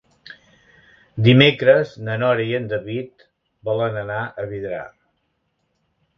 Dimecres na Nora i en David volen anar a Vidrà.